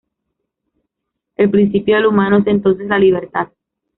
El principio de lo humano es entonces la libertad.